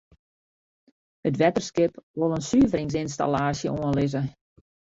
It wetterskip wol in suveringsynstallaasje oanlizze.